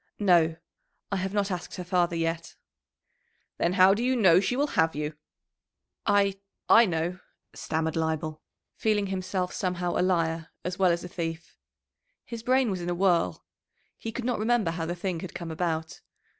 "No; I have not asked her father yet." "Then how do you know she will have you?" "I I know," stammered Leibel, feeling himself somehow a liar as well as a thief. His brain was in a whirl; he could not remember how the thing had come about.